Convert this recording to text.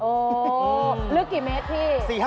โอ้โหลึกกี่เมตรพี่